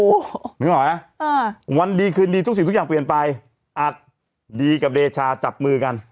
นึกออกไหมวันดีคืนดีทุกสิ่งทุกอย่างเปลี่ยนไปอัดดีกับเดชาจับมือกัน